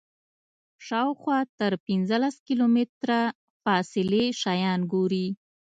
شاوخوا تر پنځه کیلومتره فاصلې شیان ګوري.